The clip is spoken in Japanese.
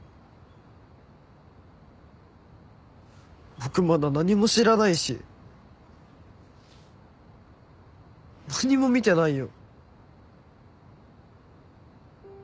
僕まだ何も知らないし何も見てないよ。